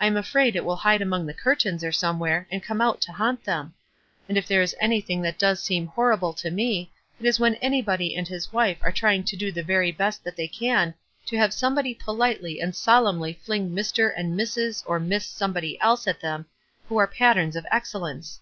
I am afraid it will hide among the curtains or somewhere, and come out to haunt them. And if there is anything that does seem horrible to me, it is when anybody and his wife are trying to do the very best that they can to have somebody politely and solemn ly flinging Mr. and Mrs. or Miss somebody else at them, who were patterns of excellence."